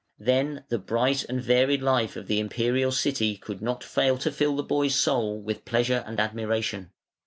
Then the bright and varied life of the Imperial City could not fail to fill the boy's soul with pleasure and admiration.